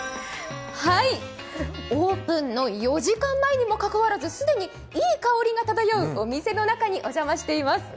オープンの４時間前にもかかわらず既にいい香りが漂うお店の中にお邪魔しています。